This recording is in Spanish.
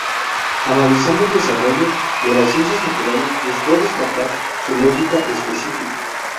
Analizando el desarrollo de las ciencias naturales, buscó destapar su "lógica" específica.